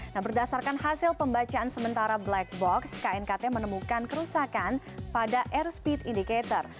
nah berdasarkan hasil pembacaan sementara black box knkt menemukan kerusakan pada airspeed indicator